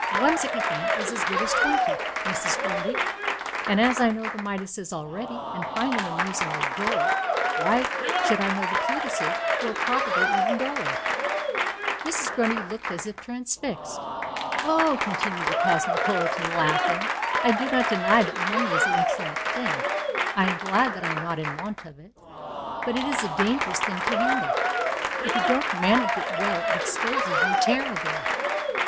One MacSycophant is as good as twenty, Mrs. Grundy; and as I know the Midases already, and find them amusingly dull, why should I know the Plutuses, who are probably even duller?" Mrs. Grundy looked as if transfixed. "Oh," continued the cosmopolitan, laughing, "I do not deny that money is an excellent thing. I am glad that I am not in want of it. But it is a dangerous thing to handle. If you don't manage it well it exposes you terribly.